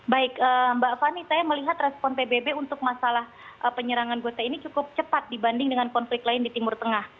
baik mbak fani saya melihat respon pbb untuk masalah penyerangan gota ini cukup cepat dibanding dengan konflik lain di timur tengah